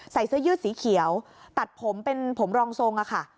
ใส่เสื้อยืดสีเขียวตัดผมเป็นผมรองทรงอะค่ะ